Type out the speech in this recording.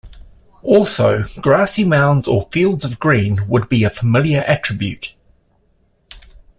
Also, grassy mounds or fields of green would be a familiar attribute.